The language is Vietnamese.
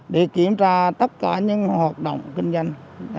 để kiểm tra tất cả những hoạt động kinh doanh